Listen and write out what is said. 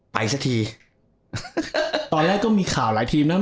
สักทีตอนแรกก็มีข่าวหลายทีมนะ